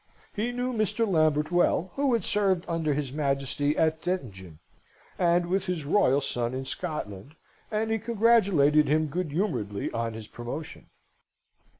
He knew Mr. Lambert well, who had served under his Majesty at Dettingen, and with his royal son in Scotland, and he congratulated him good humouredly on his promotion.